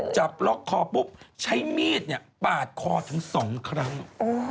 จับล็อกคอปุ๊บใช้มีดปาดคอถึง๒ครั้ง